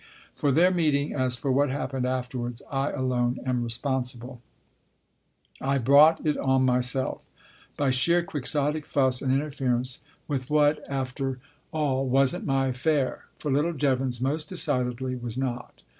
For their meeting, as for what happened afterwards, I alone am responsible. I brought it on myself. By sheer quixotic fuss and interference with what, after 22 Tasker Jevons all, wasn't my affair. For little Jevons most decidedly was not.